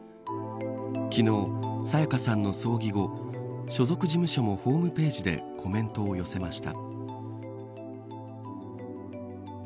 昨日、沙也加さんの葬儀後所属事務所もホームページでコメントを寄せました。